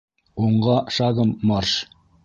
— Уңға шагом марш!